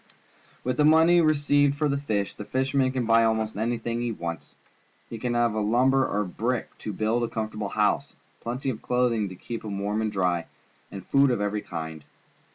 With the money received for the fish, the fisherman can buy almost anji, hing he wants. He can have lumber or brick to build a comfortable hou.se, plenty of cloth ing to keep him warm and dry, and food of every kind.